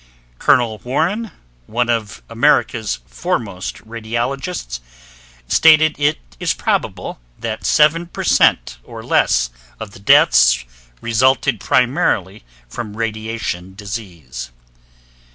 Col. Warren, one of America's foremost radioligists, stated it is probable that 7 per cent or less of the deaths resulted primarily from radiation disease.